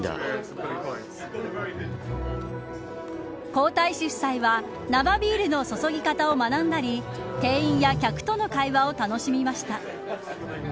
皇太子夫妻は生ビールの注ぎ方を学んだり店員や客との会話を楽しみました。